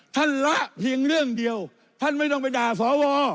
ละเพียงเรื่องเดียวท่านไม่ต้องไปด่าสว